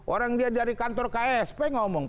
orang dia dari kantor ksp ngomong